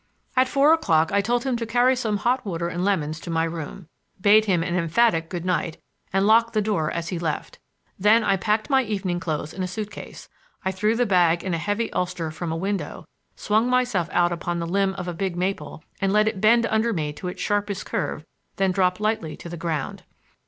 At four o'clock I told him to carry some hot water and lemons to my room; bade him an emphatic good night and locked the door as he left. Then I packed my evening clothes in a suit case. I threw the bag and a heavy ulster from a window, swung myself out upon the limb of a big maple and let it bend under me to its sharpest curve and then dropped lightly to the ground.